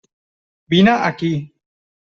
Vine aquí.